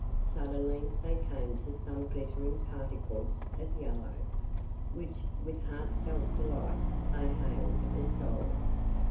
Suddenly they came to some glittering particles of yellow, which, with heartfelt delight they hailed as gold.